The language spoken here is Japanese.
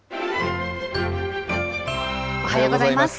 おはようございます。